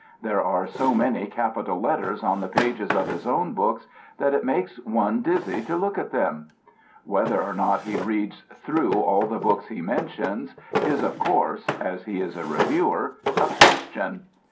There are so many capital letters on the pages of his own books that it makes one dizzy to look at them. Whether or not he reads through all the books he mentions is of course (as he is a reviewer) a question.